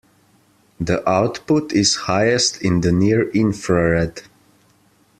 The output is highest in the near infrared.